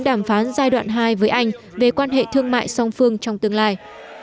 đàm phán giai đoạn hai với anh về quan hệ thương mại song phương trong tương lai